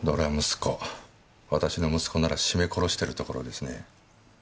私の息子なら絞め殺してるところですね。